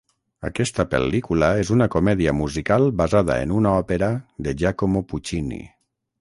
Aquesta pel·lícula és una comèdia musical basada en una òpera de Giacomo Puccini.